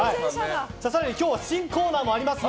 更に今日は新コーナーもあります。